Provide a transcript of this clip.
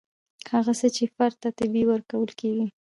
هغه څه چې فرد ته طبیعي ورکول کیږي.